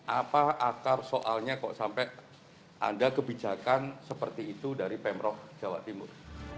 apa akar soalnya kok sampai ada kebijakan seperti itu dari pemprov jawa timur